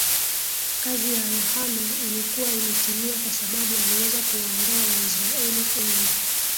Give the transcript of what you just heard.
kazi ya Yohane ilikuwa imetimia kwa sababu aliweza kuwaandaa Waisraeli wengi